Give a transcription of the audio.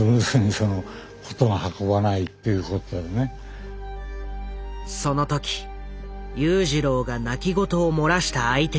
その時裕次郎が泣き言を漏らした相手が一人だけいた。